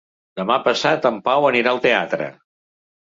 Demà passat en Pau anirà al teatre.